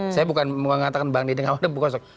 saya bukan mengatakan bang ditinggawada penggosok